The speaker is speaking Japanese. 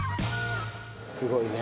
すごいね。